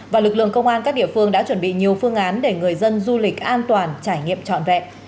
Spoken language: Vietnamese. và lực lượng công an các địa phương đã chuẩn bị nhiều phương án để người dân du lịch an toàn trải nghiệm trọn vẹn